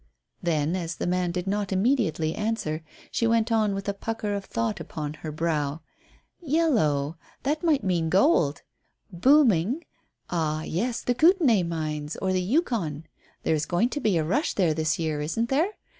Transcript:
Then, as the man did not immediately answer, she went on with a pucker of thought upon her brow. "'Yellow' that might mean gold. 'Booming' ah, yes, the Kootenai mines, or the Yukon. There is going to be a rush there this year, isn't there?